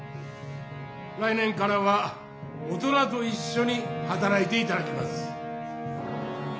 来年からは大人といっしょにはたらいていただきます」。